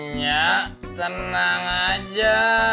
nyak tenang aja